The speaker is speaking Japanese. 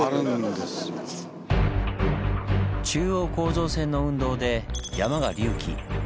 中央構造線の運動で山が隆起。